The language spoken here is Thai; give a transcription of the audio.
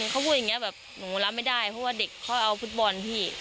เขาพูดอย่างนี้แบบหนูรับไม่ได้เพราะว่าเด็กเขาเอาฟุตบอลพี่